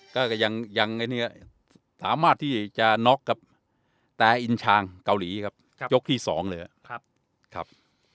ก็ยังสามารถที่จะน็อกกับแตอินชางเกาหลีครับยกที่๒เลยครับ